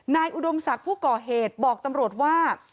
นายอุดมศักดิ์ศรีผู้เกาะเหตุบอกตำรวจว่า